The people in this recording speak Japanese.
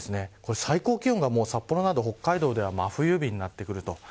最高気温が札幌など北海道では真冬日になってくると。